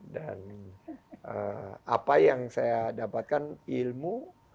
dan apa yang saya dapatkan ilmu